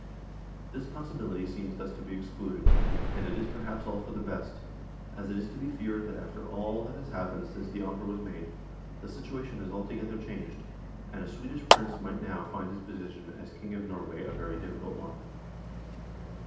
This possibility seems thus to be excluded, and it is perhaps all for the best, as it is to be feared that after all that has happened since the offer was made, the situation has altogether changed, and a Swedish Prince might now find his position as King of Norway a very difficult one.